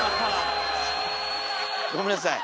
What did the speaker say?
ごめんなさい。